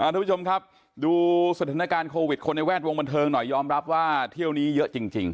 ทุกผู้ชมครับดูสถานการณ์โควิดคนในแวดวงบันเทิงหน่อยยอมรับว่าเที่ยวนี้เยอะจริง